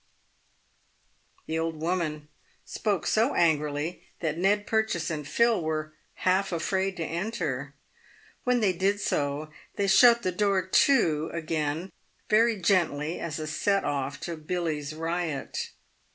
The old woman spoke so angrily that Ned Purchase and Phil were half afraid to enter. When they did so, they shut the door to again very gently, as a set off to Billy's riot.